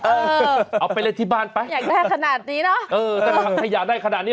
เอาไปเล่นที่บ้านไปอยากได้ขนาดนี้เนอะเออถ้าถังขยะได้ขนาดนี้